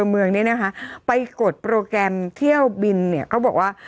อำเภอเมืองที่เนี่ยนะคะไปกดโปรแกรมเที่ยวบินเนี่ยก็บอกว่า